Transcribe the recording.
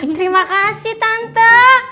terima kasih tante